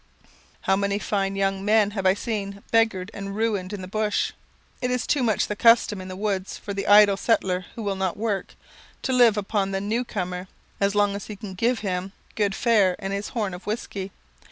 How many fine young men have I seen beggared and ruined in the bush! It is too much the custom in the woods for the idle settler, who will not work, to live upon the new comer as long as he can give him good fare and his horn of whisky.